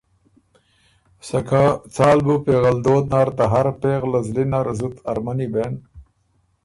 سکه څال بو پېغلدود نر ته هر پېغله زلی نر زُت ارمنی بېن۔